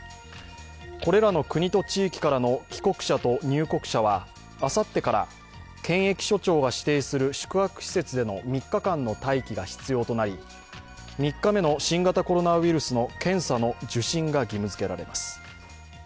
これらの国と地域からの帰国者と入国者はあさってから検疫所長が指定する宿泊施設での３日間の待機が必要となり３日目の新型コロナウイルスの検査の受診が義務付けられます。